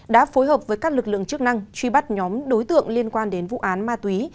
đã phối hợp với các lực lượng chức năng truy bắt nhóm đối tượng liên quan đến vụ án ma túy